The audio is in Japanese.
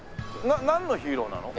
なんのヒーローなの？